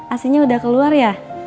asinya udah keluar ya